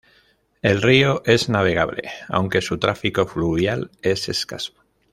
El río es navegable, aunque su tráfico fluvial es escaso.